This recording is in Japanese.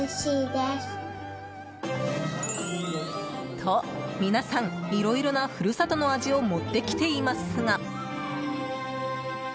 と、皆さんいろいろな故郷の味を持ってきていますが。